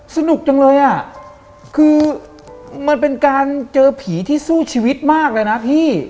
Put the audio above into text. สนุกจังเลยอ่ะคือมันเป็นการเจอผีที่สู้ชีวิตมากเลยนะพี่